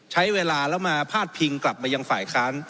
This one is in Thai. ใช้เวลาแล้วมาพาดพิงกลับมายังฝ่ายค้าน